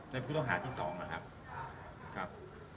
ในพุทธภาพที่สองนะครับครับ